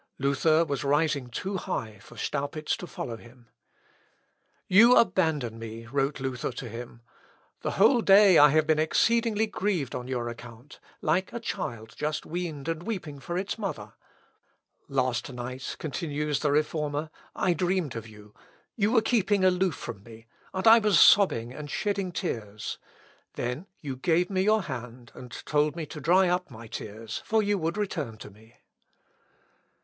Luther was rising too high for Staupitz to follow him. "You abandon me," wrote Luther to him. "The whole day I have been exceedingly grieved on your account, like a child just weaned and weeping for its mother. Last night," continues the Reformer, "I dreamed of you, you were keeping aloof from me, and I was sobbing and shedding tears; then you gave me your hand, and told me to dry up my tears, for you would return to me."